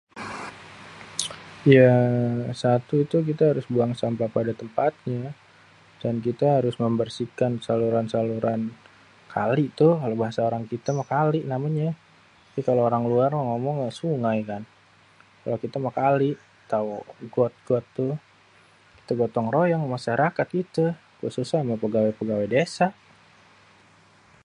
[ya] satu itu kite harus buangin sampah pada tempatnya, dan kita harus membersihkan saluran-saluran, kali toh, bahase orang kite meh kali namenye, itu kalo orang luar meh namenye sungaikan, ya kite meh kali tau got-got tuh, kite gotong royong ame masyarakat kite, khususnya same pegawai desa.